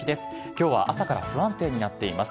きょうは朝から不安定になっています。